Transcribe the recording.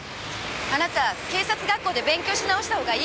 あなた警察学校で勉強し直したほうがいいかも。